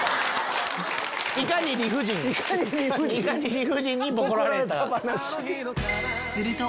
いかに理不尽にボコられた。